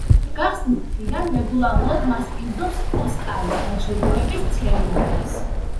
გახსნის დღიდან რეგულარულად მასპინძლობს ოსკარის დაჯილდოების ცერემონიას.